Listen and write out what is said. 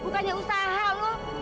bukannya usaha lo